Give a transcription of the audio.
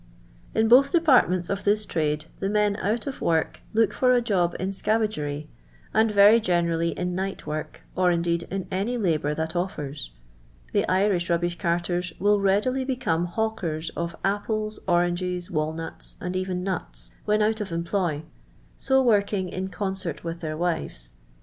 In both departments of this trade, the men out of work look for a job in I icavagery, and very generally in night work, or, ' indeed, in any labour that offers. The Irish rub bish carters will readily became hawkers of I Apples, oranges, walnuts, and even nuts, when out of employ, so working in concert with their wives.